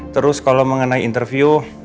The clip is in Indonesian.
terus kalau mengenai interview